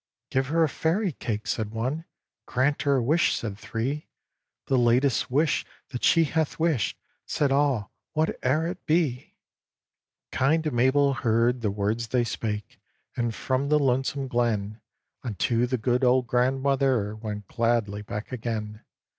"Give her a Fairy cake!" said one; "Grant her a wish!" said three; "The latest wish that she hath wished," Said all, "whate'er it be!" Kind Mabel heard the words they spake, And from the lonesome glen Unto the good old grandmother Went gladly back again.